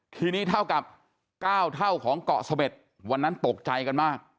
ทีนี้เท่ากับ๙เท่าของเกาะเสม็ดวันนั้นตกใจกันมาก